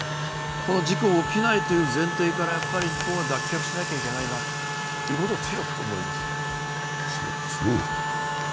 この事故が起きないという前提から日本は脱却しなきゃいけないなと強く思います。